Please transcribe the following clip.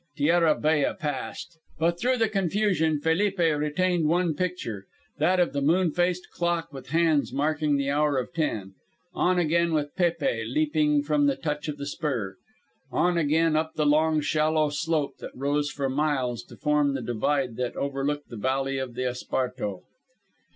Terra Bella past. But through the confusion Felipe retained one picture, that of the moon faced clock with hands marking the hour of ten. On again with Pépe leaping from the touch of the spur. On again up the long, shallow slope that rose for miles to form the divide that overlooked the valley of the Esparto.